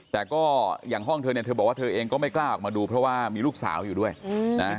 แต่ก็อย่างห้องเธอเนี่ยเธอบอกว่าเธอเองก็ไม่กล้าออกมาดูเพราะว่ามีลูกสาวอยู่ด้วยนะ